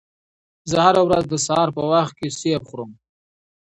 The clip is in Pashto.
زه هره ورځ د سهار په وخت کې مڼه خورم.